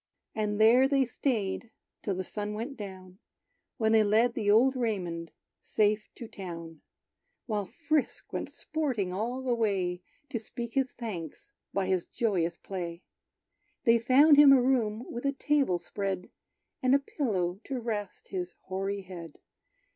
And there they staid till the sun went down, When they led the old Raymond safe to town; While Frisk went sporting all the way, To speak his thanks by his joyous play. They found him a room with a table spread, And a pillow to rest his hoary head.